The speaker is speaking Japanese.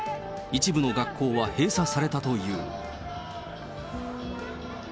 一部の学校は閉鎖されたという。